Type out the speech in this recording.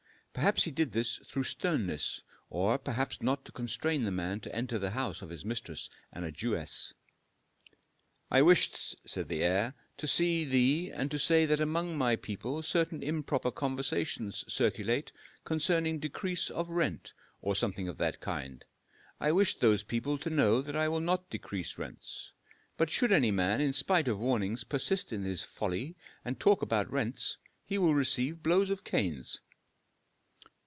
Perhaps he did this through sternness, or perhaps not to constrain the man to enter the house of his mistress and a Jewess. "I wished," said the heir, "to see thee and to say that among my people certain improper conversations circulate concerning decrease of rent, or something of that kind. I wish those people to know that I will not decrease rents. But should any man in spite of warnings persist in his folly and talk about rents, he will receive blows of canes."